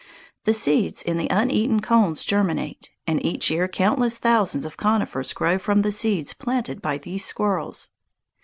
The seeds in the uneaten cones germinate, and each year countless thousands of conifers grow from the seeds planted by these squirrels.